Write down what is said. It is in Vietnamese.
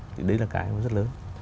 thì đấy là cái rất lớn